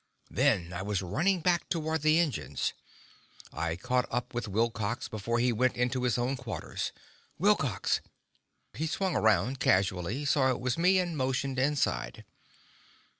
Then I was running back toward the engines. I caught up with Wilcox just before he went into his own quarters. "Wilcox!" He swung around casually, saw it was me, and motioned inside.